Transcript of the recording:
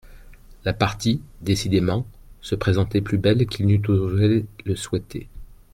La partie, décidément, se présentait plus belle qu'il n'eût osé le souhaiter.